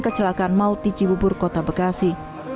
kecelakaan maut di cibubur kota bekasi